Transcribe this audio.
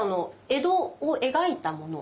江戸を描いたもの？